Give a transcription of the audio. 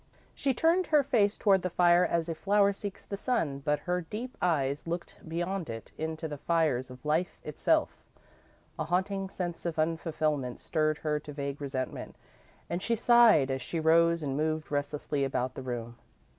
She turned her face toward the fire as a flower seeks the sun, but her deep eyes looked beyond it, into the fires of Life itself. A haunting sense of unfulfilment stirred her to vague resentment, and she sighed as she rose and moved restlessly about the room.